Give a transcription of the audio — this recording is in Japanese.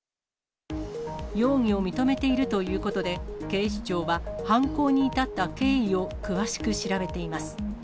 容疑を認めているということで、警視庁は犯行に至った経緯を詳しく調べています。